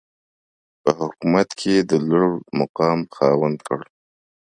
په حکومت کې د لوړمقام خاوند کړ.